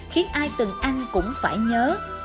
khiến ai từng ăn cũng phải nhớ